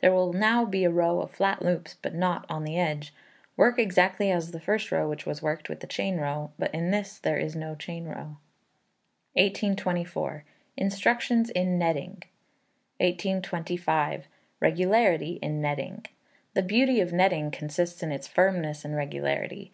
There will now be a row of flat loops, but not on the edge. Work exactly as at the first row which was worked with the chain row, but in this there is no chain row. 1824. Instructions in Netting. 1825. Regularity in Netting. The beauty of netting consists in its firmness and regularity.